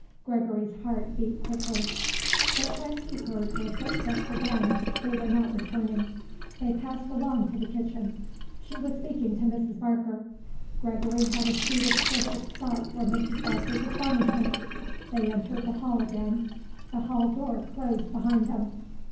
Gregory's heart beat quickly. But when he heard her footsteps again they were not returning. They passed along to the kitchen; she was speaking to Mrs. Barker Gregory had a shoot of surface thought for Mrs. Barker's astonishment; they entered the hall again, the hall door closed behind them.